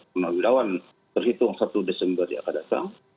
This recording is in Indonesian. menawir lawan terhitung satu desember yang akan datang